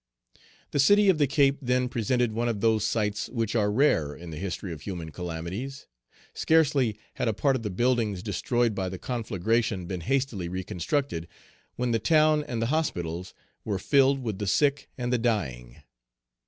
The city of the Cape then presented one of those sights which are rare in the history of human calamities. Scarcely had a part of the buildings destroyed by the conflagration been hastily reconstructed, when the town and the hospitals were filled with the sick and the dying.